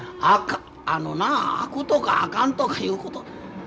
あかんあのなあくとかあかんとかいうこと。